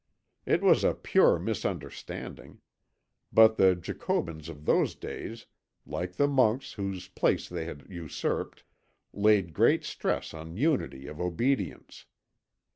It was a pure misunderstanding; but the Jacobins of those days, like the monks whose place they had usurped, laid great stress on unity of obedience.